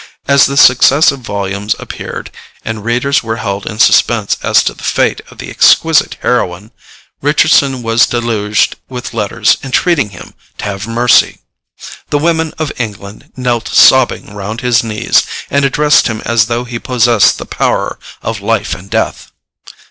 As the successive volumes appeared, and readers were held in suspense as to the fate of the exquisite heroine, Richardson was deluged with letters entreating him to have mercy. The women of England knelt sobbing round his knees, and addressed him as though he possessed the power of life and death.